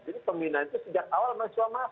jadi pembinaan itu sejak awal mahasiswa masuk